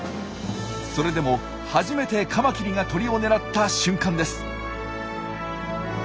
それでも初めてカマキリが鳥を狙った瞬間です。